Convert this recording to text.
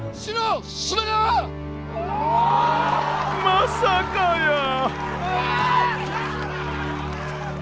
まさかやー。